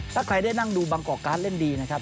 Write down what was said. ถ้าใครได้นั่งดูบางกอกการ์ดเล่นดีนะครับ